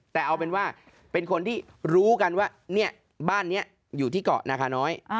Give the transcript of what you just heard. แต่เอาเป็นว่าเป็นคนที่รู้กันว่าบ้านนี้อยู่ที่เกาะนาคาน้อย